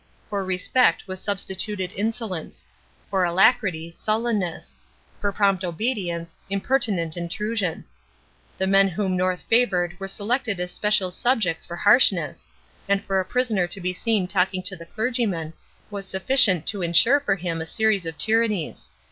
For respect was substituted insolence; for alacrity, sullenness; for prompt obedience, impertinent intrusion. The men whom North favoured were selected as special subjects for harshness, and for a prisoner to be seen talking to the clergyman was sufficient to ensure for him a series of tyrannies.